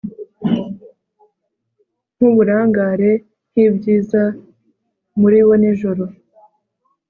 Nkuburangare nkibyiza muri bo nijoro